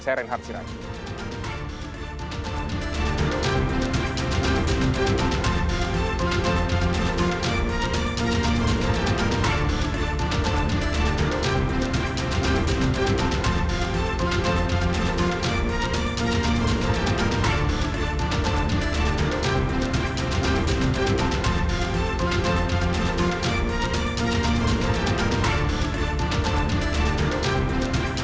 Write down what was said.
saya reinhard siragi